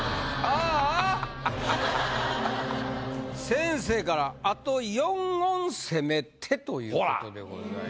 先生から「あと４音攻めて！」ということでございます。